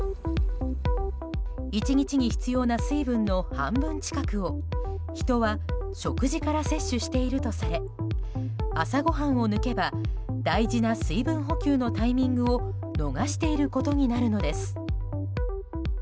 １日に必要な水分の半分近くを人は、食事から摂取しているとされ朝ごはんを抜けば大事な水分補給のタイミングを逃していることになるのです。